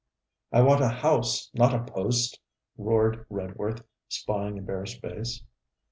'I want a house, not a post!' roared Redworth, spying a bare space.